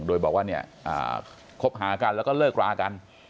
โดยบอกว่าครบหากันแล้วก็เลิกร้ากัน